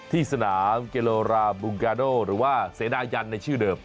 ที่สนามเกโลราบุงกาโดหรือว่าเสนายันในชื่อเดิม